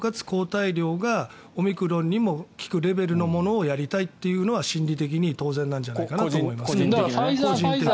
抗体量がオミクロンにも効くレベルのものをやりたいというのは心理的に当然なんじゃないかなと思います。